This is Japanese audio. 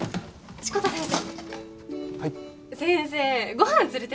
志子田先生。